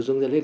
xuân như đấy